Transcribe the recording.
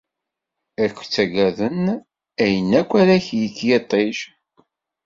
Ad k-ttaggaden ayen akk ara yekk yiṭij.